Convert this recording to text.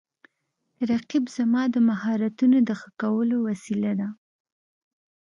رقیب زما د مهارتونو د ښه کولو وسیله ده